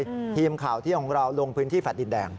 ควรไม่รู้ทีมข่าวที่ของเรารงพื้นที่แฟลต์ดินแดง